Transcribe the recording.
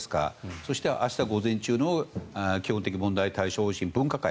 そして、明日午前中の基本的問題対処方針分科会。